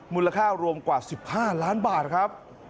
มูลค่ารวมกว่า๑๕ล้านบาทครับ